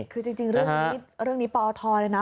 คือจริงเรื่องนี้ปอทเลยนะ